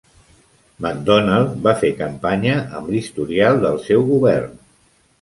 Macdonald va fer campanya amb l'historial del seu govern.